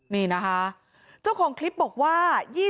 นี่นะคะเจ้าของคลิปบอกว่า